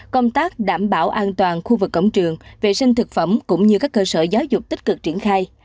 công tác đảm bảo an toàn khu vực cổng trường vệ sinh thực phẩm cũng như các cơ sở giáo dục tích cực triển khai